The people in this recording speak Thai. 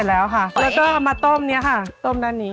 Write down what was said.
แล้วก็เอามาต้มนี้ค่ะต้มด้านนี้